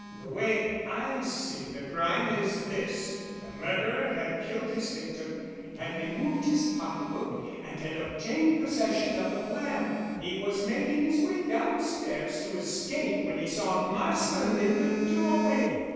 The way I see the crime is this: the murderer had killed his victim, had removed his pocket book, and had obtained possession of the plan. He was making his way downstairs to escape when he saw Marsland in the doorway.